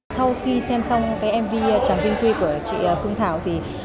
sau khi xem xong mv tràng vinh quy của chị phương thảo